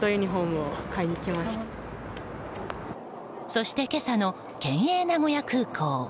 そして、今朝の県営名古屋空港。